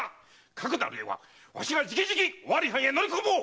かくなるうえはわしが直々尾張藩へ乗り込もう！